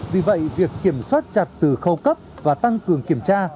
vì vậy việc kiểm soát chặt từ khâu cấp và tăng cường kiểm tra